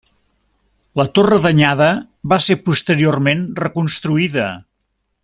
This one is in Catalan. La torre danyada va ser posteriorment reconstruïda.